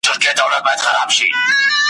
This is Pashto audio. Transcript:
هم هوښيار وو هم عادل پر خلكو گران وو ,